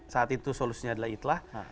saat itu solusinya adalah itlah